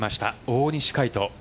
大西魁斗。